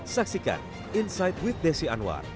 saksikan insight with desi anwar